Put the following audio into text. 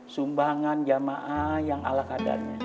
sumbangan jamaah yang ala kadarnya